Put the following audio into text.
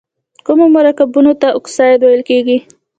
کومو مرکبونو ته اکساید ویل کیږي؟